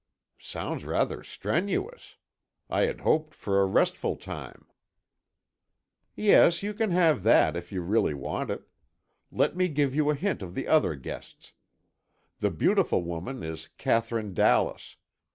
"Sounds rather strenuous. I had hoped for a restful time." "Yes, you can have that if you really want it. Let me give you a hint of the other guests. The beautiful woman is Katherine Dallas.